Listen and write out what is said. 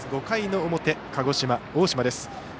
５回の表鹿児島、大島です。